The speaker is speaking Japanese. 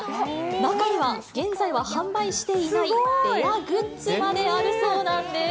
中には、現在は販売していないレアグッズまであるそうなんです。